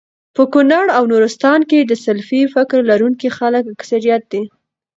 په کونړ او نورستان کي د سلفي فکر لرونکو خلکو اکثريت دی